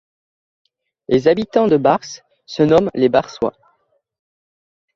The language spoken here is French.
Les habitants de Bars se nomment les Barsois.